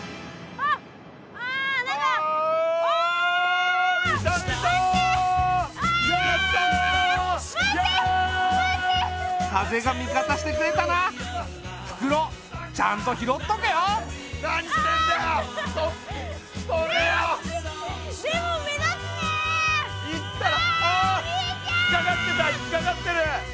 ああ引っ掛かってた引っ掛かってる！